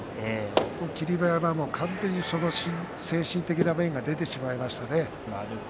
霧馬山は完全にその精神的な面が出てしまいましたね。